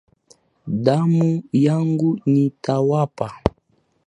Damu yangu nitawapa